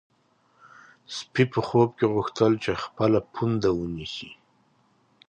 سپی په خوب کې غوښتل چې خپل پونده ونیسي.